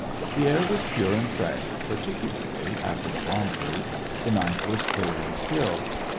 The air was pure and fresh, particularly after the bomb proof — the night was clear and still.